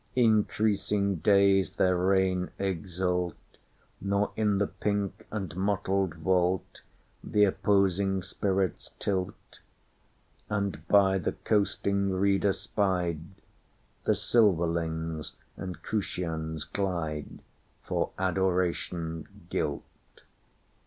Increasing days their reign exalt, Nor in the pink and mottled vaultThe opposing spirits tilt; And by the coasting reader spied, The silverlings and crusions glideFor Adoration gilt.